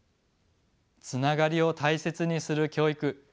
つながりを大切にする教育。